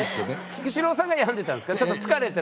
菊紫郎さんが病んでたんですかちょっと疲れてたっていうか。